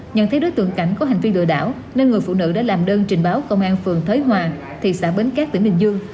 nhận thấy đối tượng cảnh có hành vi lừa đảo nên người phụ nữ đã làm đơn trình báo công an phường thới hòa thị xã bến cát tỉnh bình dương